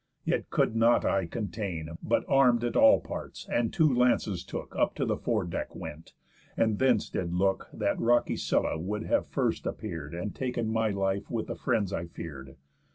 Yet could not I contain, But arm'd at all parts, and two lances took, Up to the foredeck went, and thence did look That rocky Scylla would have first appear'd And taken my life with the friends I fear'd.